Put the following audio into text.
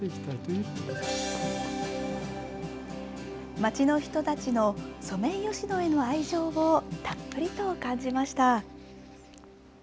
町の人たちのソメイヨシノへの愛情をたっぷりと感じました。